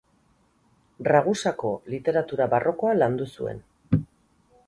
Ragusako literatura barrokoa landu zuen.